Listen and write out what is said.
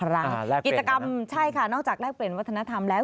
แลกเปลี่ยนแล้วนะครับใช่ค่ะนอกจากแลกเปลี่ยนวัฒนธรรมแล้ว